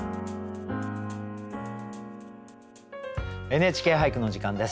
「ＮＨＫ俳句」の時間です。